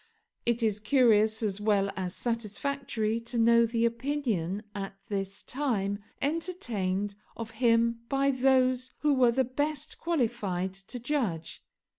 It is curious as well as satisfactory to know the opinion at this time entertained of him by those who were the best qualified to judge.